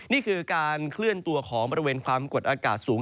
นี่คือการเคลื่อนตัวของบริเวณความกดอากาศสูง